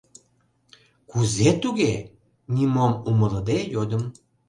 — Кузе туге? — нимом умылыде йодым.